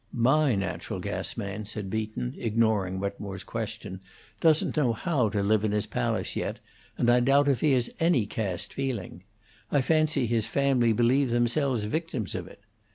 "My natural gas man," said Beaton, ignoring Wetmore's question, "doesn't know how to live in his palace yet, and I doubt if he has any caste feeling. I fancy his family believe themselves victims of it.